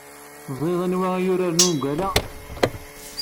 Teẓriḍ anwa i yuran ungal-a?